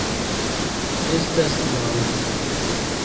Estas naŭ.